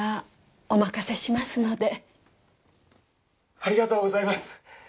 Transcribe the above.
ありがとうございます。